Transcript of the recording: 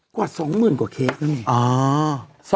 กว่า๒หมื่นกว่าเคสนะเนี่ย